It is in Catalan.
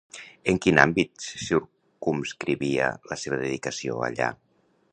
En quin àmbit se circumscrivia la seva dedicació allà?